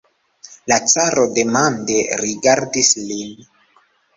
La caro demande rigardis lin.